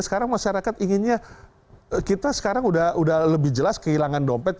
sekarang masyarakat inginnya kita sekarang udah lebih jelas kehilangan dompet